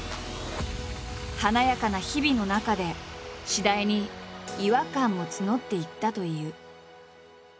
華やかな日々の中で次第に違和感も募っていったという。